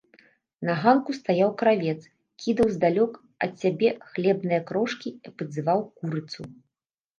На ганку стаяў кравец, кідаў здалёк ад сябе хлебныя крошкі і падзываў курыцу.